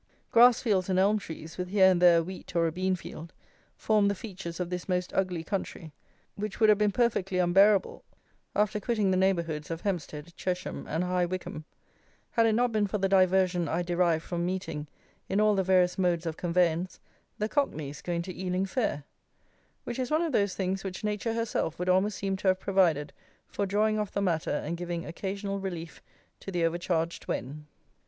Grass fields and elm trees, with here and there a wheat or a bean field, form the features of this most ugly country, which would have been perfectly unbearable after quitting the neighbourhoods of Hempstead, Chesham and High Wycombe, had it not been for the diversion I derived from meeting, in all the various modes of conveyance, the cockneys going to Ealing Fair, which is one of those things which nature herself would almost seem to have provided for drawing off the matter and giving occasional relief to the overcharged Wen.